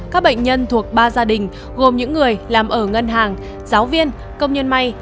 các bệnh nhân thuộc ba gia đình gồm những người làm ở ngân hàng giáo viên công nhân may